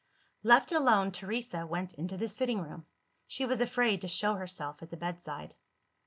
Left alone, Teresa went into the sitting room: she was afraid to show herself at the bedside.